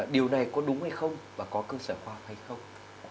điều này có đúng hay không và có cơ sở khoa học hay không